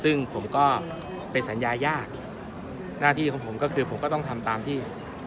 ซึ่งผมก็เป็นสัญญายากหน้าที่ของผมก็คือผมก็ต้องทำตามที่